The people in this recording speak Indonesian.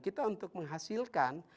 kita untuk menghasilkan